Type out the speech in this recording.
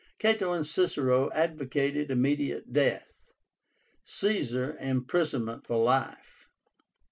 Cato and Cicero advocated immediate death; Caesar, imprisonment for life.